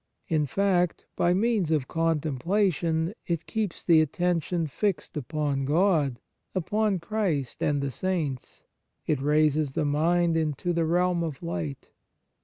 In fact, by means of contemplation, it keeps 125 On Piety the attention fixed upon God, upon Christ and the Saints ; it raises the mind into the realm of light.